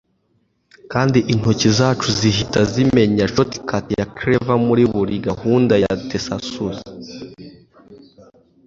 kandi intoki zacu zihita zimenya shortcut ya clavier muri buri gahunda ya thesaurus